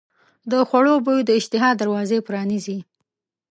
د خوړو بوی د اشتها دروازه پرانیزي.